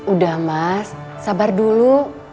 udah mas sabar dulu